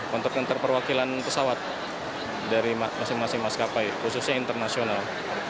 konter konter perwakilan pesawat dari masing masing maskapai khususnya internasional